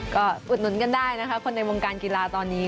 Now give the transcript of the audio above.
ก็อุดหนุนกันได้นะคะคนในวงการกีฬาตอนนี้